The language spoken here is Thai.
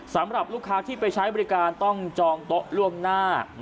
สำหรับลูกค้าที่ไปใช้บริการต้องจองโต๊ะล่วงหน้า